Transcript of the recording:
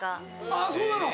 あっそうなの？